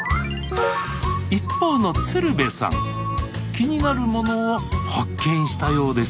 一方の鶴瓶さん気になるものを発見したようです